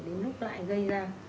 đến lúc lại gây ra